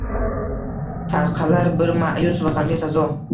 Tarqalar bir ma’yus va g’amgin sazo.